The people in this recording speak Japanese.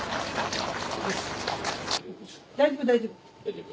大丈夫大丈夫。